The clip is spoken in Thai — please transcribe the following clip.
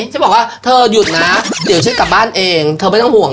ฉันบอกว่าเธอหยุดนะเดี๋ยวฉันกลับบ้านเองเธอไม่ต้องห่วง